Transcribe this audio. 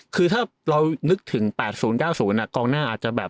คือถ้าเรานึกถึง๘๐๙๐กองหน้าอาจจะแบบ